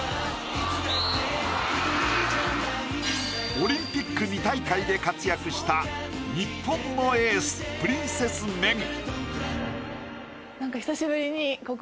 オリンピック２大会で活躍した日本のエースプリンセス・メグ。